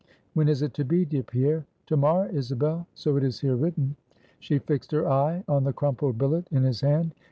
When is it to be, dear Pierre?" "To morrow, Isabel. So it is here written." She fixed her eye on the crumpled billet in his hand.